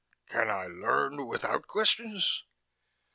"Can I learn without questions?"